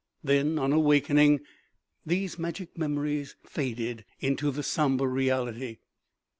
Then, on awakening, these magic memories faded into the somber reality.